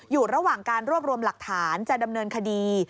อยู่ระหว่างการรวบรวมหลักฐานจะดำเนินคดี